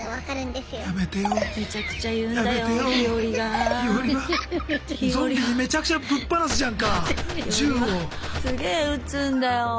すげえ撃つんだよ。